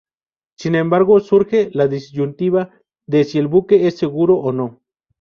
Sin embargo, surge la disyuntiva: de si el buque es seguro o no.